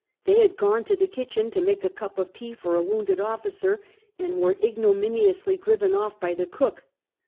They had gone to the kitchen to make a cup of tea for a wounded officer, and were ignominiously driven off by the cook.